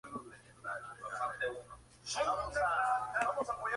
Con el triunfo de Gabriel González Videla la directiva oficial siguió ganando presencia.